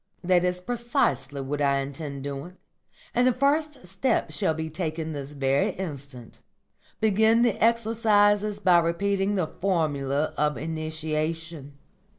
"That is precisely what I intend doing, and the first step shall be taken this very instant. Begin the exercises by repeating the Formula of Initiation.